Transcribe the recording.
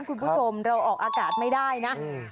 คุณผู้ชมเราออกอากาศไม่ได้นะ